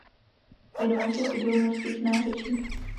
Věnoval se studiu norských nářečí.